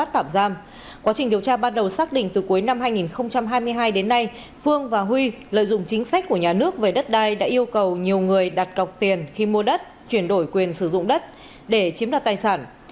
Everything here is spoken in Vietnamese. trên điều tra ban đầu xác định từ cuối năm hai nghìn hai mươi hai đến nay phương và huy lợi dụng chính sách của nhà nước về đất đai đã yêu cầu nhiều người đặt cọc tiền khi mua đất chuyển đổi quyền sử dụng đất để chiếm đoạt tài sản